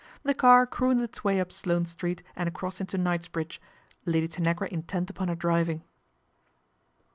The car crooned its way up Sloane Street and cross into Knightsbridge, Lady Tanagra intent pon her driving.